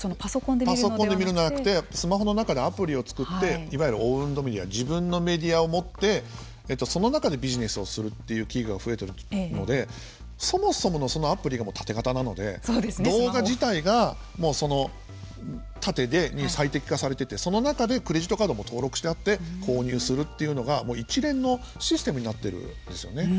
パソコンで見るのではなくてスマホの中でアプリを作っていわゆるオウンドメディア自分のメディアを持ってその中でビジネスをするという企業が増えているのでそもそものアプリがタテ型なので動画自体が縦に最適化されててその中でクレジットカードも登録してあって購入するというのが一連のシステムになっているんですよね。